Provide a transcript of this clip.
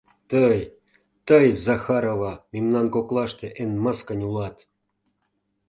Тый, тый, Захарова, мемнан коклаште эн мыскынь улат!